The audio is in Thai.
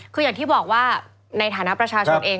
คืออย่างที่บอกว่าในฐานะประชาชนเอง